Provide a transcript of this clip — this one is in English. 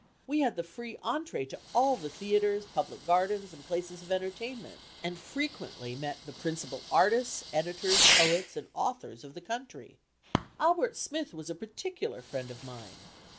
We had the free entrée to all the theatres, public gardens, and places of entertainment, and frequently met the principal artists, editors, poets, and authors of the country. Albert Smith was a particular friend of mine.